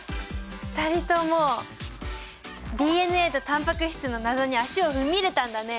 ２人ともＤＮＡとタンパク質の謎に足を踏み入れたんだね！